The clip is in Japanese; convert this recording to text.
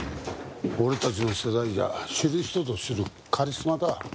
俺たちの世代じゃ知る人ぞ知るカリスマだ。